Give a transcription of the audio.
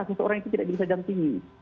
seseorang itu tidak bisa didampingi